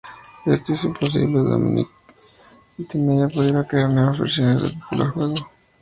Esto hizo imposible que Dinamic Multimedia pudiera crear nuevas versiones del popular juego.